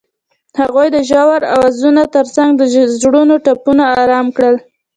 هغې د ژور اوازونو ترڅنګ د زړونو ټپونه آرام کړل.